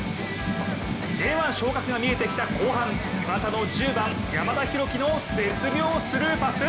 Ｊ１昇格が見えてきた後半磐田の１０番、山田大記の絶妙スルーパス。